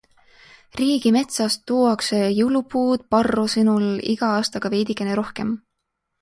Riigimetsast tuuakse jõulupuud Parro sõnul iga aastaga veidikene rohkem.